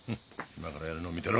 今からやるのを見てろ。